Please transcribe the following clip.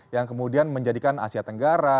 yang kemudian menjadikan asia tenggara